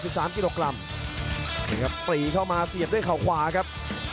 เห็นครับปรีเข้ามาเสียด้วยเขาขวาครับ